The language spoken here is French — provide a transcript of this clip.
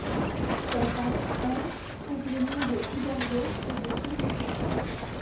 Sa femme, Anne, trouve les noms de Hydargos et de Phénicia.